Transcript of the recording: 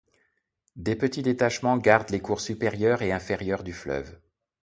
De petits détachements gardent les cours supérieurs et inférieurs du fleuve.